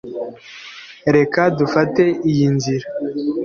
Reka dufate iyi nzira